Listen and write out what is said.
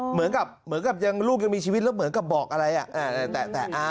เหมือนกับลูกยังมีชีวิตแล้วเหมือนกับบอกอะไรแต่